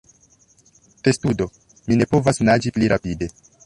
Testudo: "Mi ne povas naĝi pli rapide!"